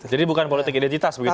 jadi bukan politik identitas begitu ya